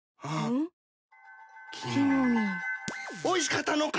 おいしかったのか？